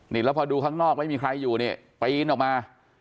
นี่แล้วพอดูข้างนอกไม่มีใครอยู่นี่ปีนออกมา